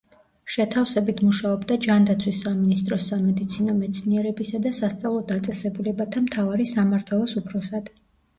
შეთავსებით მუშაობდა ჯანდაცვის სამინისტროს სამედიცინო მეცნიერებისა და სასწავლო დაწესებულებათა მთავარი სამმართველოს უფროსად.